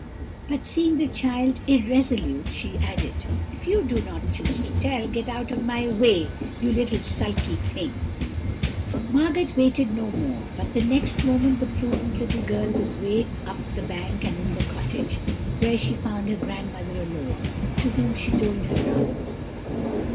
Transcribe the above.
But seeing the child irresolute, she added, 'If you do not choose to tell, get out of my way, you little sulky thing.' "Margot waited no more, but the next moment the prudent little girl was up the bank and in the cottage, where she found her grandmother alone, to whom she told her troubles.